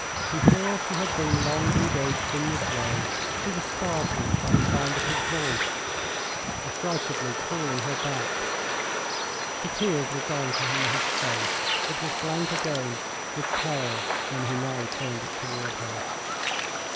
Before she had been long engaged in this way, she was startled by the sound of his voice, affrightedly calling her back. The tears were gone from his face; it was blank again with terror when he now turned it toward her.